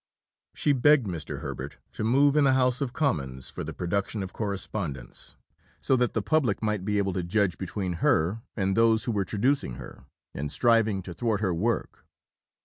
She begged Mr. Herbert to move in the House of Commons for the production of correspondence, so that the public might be able to judge between her and those who were traducing her, and striving to thwart her work.